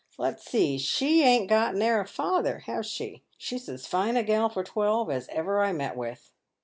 Let's see, she ain't got ne'er a father, have she ? She's as fine a gal for twelve as ever I met with."